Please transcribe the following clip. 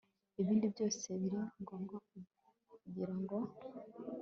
ibindi byose biri ngombwa kugira ngo